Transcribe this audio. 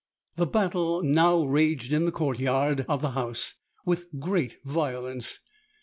The battle now raged in the court yard of the house with great violence.